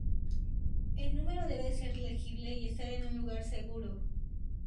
El número debe ser legible y estar en un lugar seguro.